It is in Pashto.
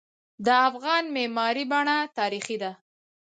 د افغان معماری بڼه تاریخي ده.